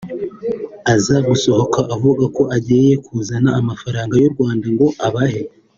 aza gusohoka avuga ko agiye kuzana amafaranga y’u Rwanda ngo abahe